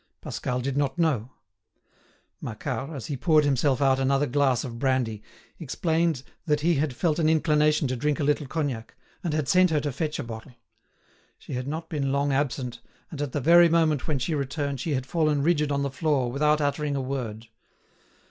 Pascal did not know. Macquart, as he poured himself out another glass of brandy, explained that he had felt an inclination to drink a little Cognac, and had sent her to fetch a bottle. She had not been long absent, and at the very moment when she returned she had fallen rigid on the floor without uttering a word.